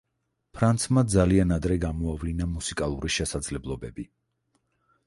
ფრანცმა ძალიან ადრე გამოავლინა მუსიკალური შესაძლებლობები.